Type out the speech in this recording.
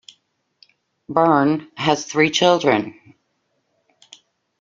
Byrne has three children.